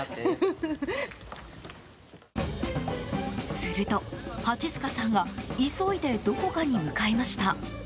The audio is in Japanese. すると蜂須賀さんが急いでどこかに向かいました。